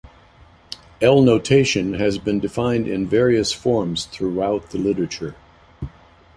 L-notation has been defined in various forms throughout the literature.